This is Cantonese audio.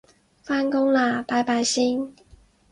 返工喇拜拜先